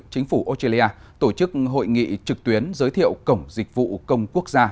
chính phủ australia tổ chức hội nghị trực tuyến giới thiệu cổng dịch vụ công quốc gia